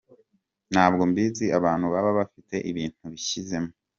ntabwo mbizi abantu baba bafite ibintu bishyizemo .